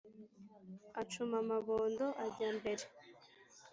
Acuma amabondo ajya mbere